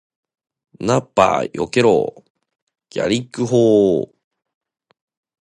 ナッパ避けろー！ギャリック砲ー！